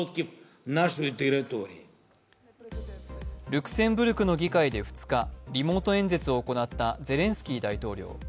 ルクセンブルクの議会で２日、リモート演説を行ったゼレンスキー大統領。